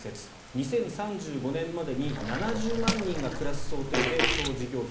２０３５年までに７０万人が暮らす想定で総事業費